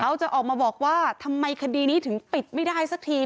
เขาจะออกมาบอกว่าทำไมคดีนี้ถึงปิดไม่ได้สักที